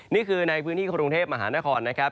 นี่คือในพื้นที่กรุงเทพมหานครนะครับ